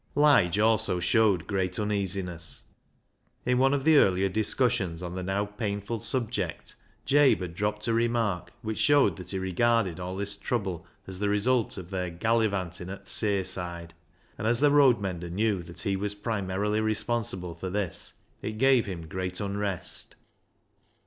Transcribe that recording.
Lige also showed great uneasiness. In one of the earlier discussions on the now painful subject Jabe had dropped a remark which showed that he regarded all this trouble as the result of their " gallivantin' at th' sayside," and, as the road mender knew that he was primarily responsible for this, it gave him great unrest.